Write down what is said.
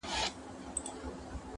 اختر چي تېر سي بیا به راسي-